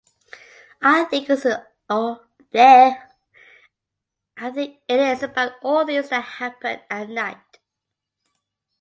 I think it is about all things that happen at night.